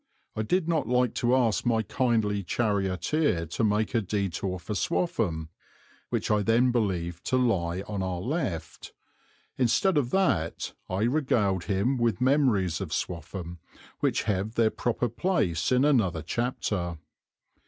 I did not like to ask my kindly charioteer to make a detour for Swaffham, which I then believed to lie on our left. Instead of that I regaled him with memories of Swaffham, which have their proper place in another chapter.